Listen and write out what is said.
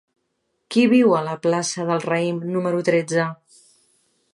Qui viu a la plaça del Raïm número tretze?